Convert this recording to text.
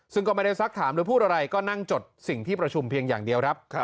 ซึ่งก่อนไปในสักถามก็พูดอะไรก็นั่งจดสิ่งที่ประชุมเพียงอย่างเดียว